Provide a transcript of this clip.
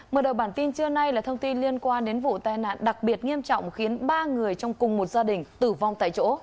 mở đầu bản tin trưa nay là thông tin liên quan đến vụ tai nạn đặc biệt nghiêm trọng khiến ba người trong cùng một gia đình tử vong tại chỗ